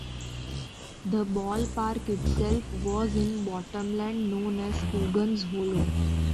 The ballpark itself was in bottomland known as Coogan's Hollow.